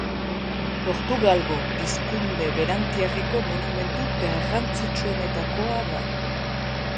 Portugalgo pizkunde berantiarreko monumentu garrantzitsuenetakoa da.